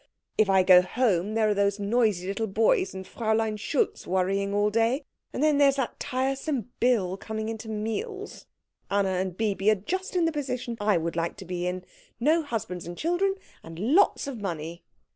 If I go home, there are those noisy little boys and Fräulein Schultz worrying all day, and then there's that tiresome Bill coming in to meals. Anna and Bibi are just in the position I would like to be in no husbands and children, and lots of money."